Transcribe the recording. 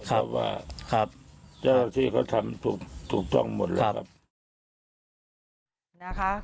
เพราะว่าเจ้าหน้าที่เขาทำถูกต้องหมดแล้วครับ